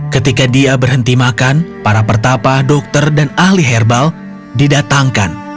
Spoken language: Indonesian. ketika dia berhenti makan para pertapa dokter dan ahli herbal didatangkan